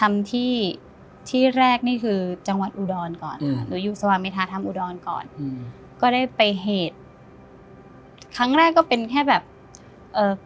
มันเหมือนสายรุ้งแล้วก็เป็นเม็ดลิบ